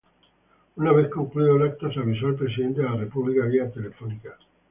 Una vez concluido el acto se avisó al Presidente de la República vía telefónica.